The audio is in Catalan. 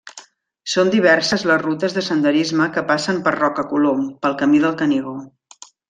Són diverses les rutes de senderisme que passen per Roca Colom, pel camí del Canigó.